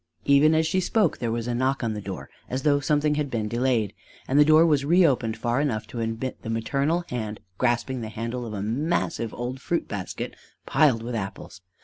Even as she spoke there was a knock on the door as though something had been delayed, and the door was reopened far enough to admit the maternal hand grasping the handle of a massive old fruit basket piled with apples.